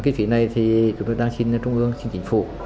cái phí này thì chúng tôi đang xin trung ương xin chính phủ